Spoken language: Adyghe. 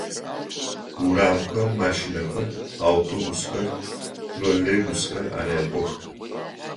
Урамхэм машинэхэр, автобусхэр, троллейбусхэр арэкӏох.